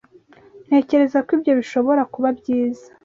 Ntekereza ko ibyo bishobora kuba byiza.